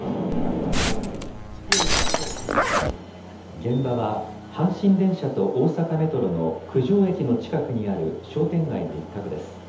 現場は阪神電車と大阪メトロの九条駅の近くにある商店街の一角です。